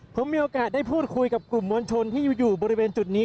ผมมีโอกาสได้พูดคุยกับกลุ่มมวลชนที่อยู่บริเวณจุดนี้